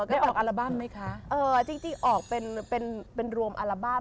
ได้ออกอัลบั้มไหมคะเออจริงจริงออกเป็นเป็นรวมอัลบั้ม